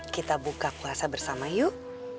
kita buka puasa bersama yuk